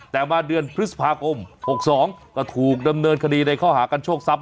แต่มาเดือนพฤษภาคม๖๒ก็ถูกดำเนินคดีในข้อหากันโชคทรัพ